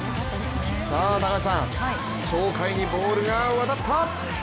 さあ高橋さん、鳥海にボールが渡った！